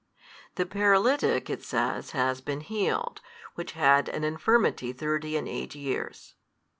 The paralytic (it says) has been healed, which had an infirmity thirty and eight years.